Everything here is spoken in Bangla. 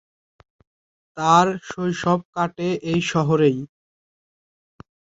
তার শৈশব কাটে এই শহরেই।